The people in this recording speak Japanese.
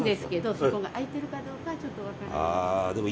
そこが開いてるかどうかはちょっと分からない。